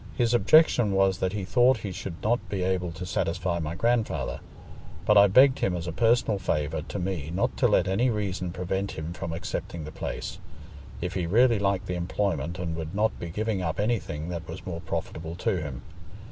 His objection was that he thought he should not be able to satisfy my grandfather. But I begged him as a personal favour to me not to let any reason prevent him from accepting the place, if he really liked the employment and would not be giving up anything that was more profitable to him.